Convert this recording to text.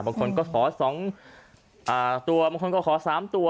บางคนก็ขอ๒ตัวบางคนก็ขอ๓ตัว